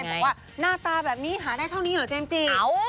บอกว่าหน้าตาแบบนี้หาได้เท่านี้เหรอเจมส์จิ๋ว